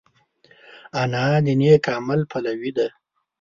انا د نېک عمل پلوي ده